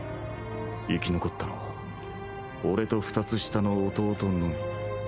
生き残ったのは俺と２つ下の弟のみ